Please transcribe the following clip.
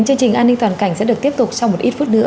chương trình an ninh toàn cảnh sẽ được tiếp tục sau một ít phút nữa